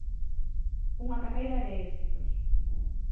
Unha carreira de éxitos.